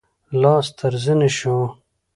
لاس تر زنې شو.